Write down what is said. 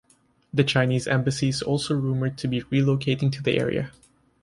The Chinese Embassy is also rumoured to be relocating to the area.